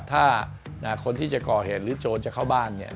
ถ้าคนที่จะก่อเหตุหรือโจรจะเข้าบ้านเนี่ย